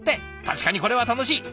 確かにこれは楽しい。